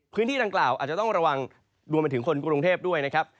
พื้นที่ดังกล่าวอาจจะต้องระวังรวมไปถึงคนกรุงเทพด้วยนะครับ